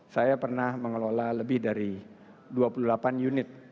saya pernah mengelola lebih dari dua puluh delapan unit